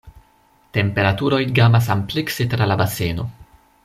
Temperaturoj gamas amplekse tra la baseno.